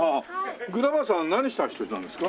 グラバーさんは何した人なんですか？